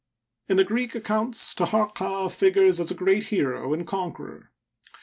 In the Greek accounts Taharqa figures as a great hero and conqueror.